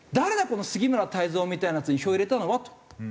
この杉村太蔵みたいなヤツに票を入れたのは？」と。